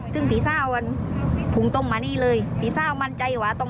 ซึ่งพี่สาวมันพุงต้องมานี่เลยพี่สาวมั่นใจวะต้อง